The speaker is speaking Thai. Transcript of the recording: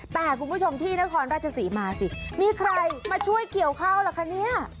แต่คุณผู้ชมที่นครราชศรีมาสิมีใครมาช่วยเกี่ยวข้าวล่ะคะเนี่ย